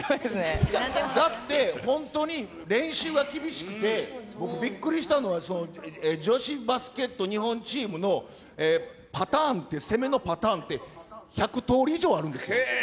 だって、本当に、練習が厳しくて、僕、びっくりしたのは、女子バスケット日本チームのパターンって、攻めのパターンって、１００通り以上あるんですよ。